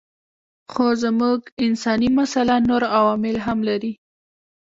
خو زموږ انساني مساله نور عوامل هم لري.